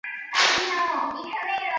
川边町为岐阜县加茂郡所辖的町。